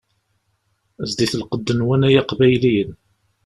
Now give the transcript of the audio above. Zdit lqedd-nwen ay Iqbayliyen.